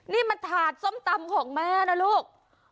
นี่มันถาดส้มตำของแม่นะลูก